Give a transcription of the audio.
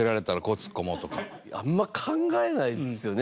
あんま考えないですよね。